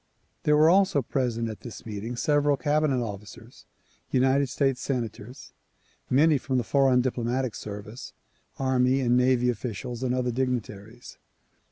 There were also present at this meeting several cabinet officers, United States senators, many from the foreign diplomatic service, army and navy officials and other dignitaries.